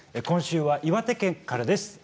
今週は岩手県からです。